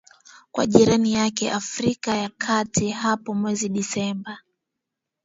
kwa jirani yake wa Afrika ya kati hapo mwezi Desemba